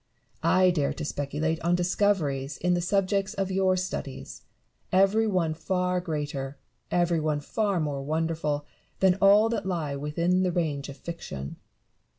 I dare to speculate on discoveries in the subjects of your studies, every one far greater, every one far more wonderful, than all that lie within the range of fiction.